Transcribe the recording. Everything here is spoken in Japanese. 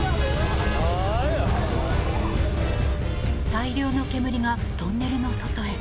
大量の煙がトンネルの外へ。